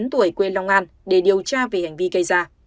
ba mươi chín tuổi quê long an để điều tra về hành vi gây ra